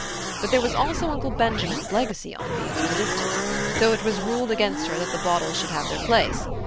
But there was also Uncle Benjamin's legacy on view, in the distance, so it was ruled against her that the bottles should have their place.